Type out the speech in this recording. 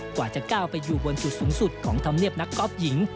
กว่าจะก้าวไปอยู่บนจุดสูงสุดของธรรมเนียบนักกอล์ฟหญิง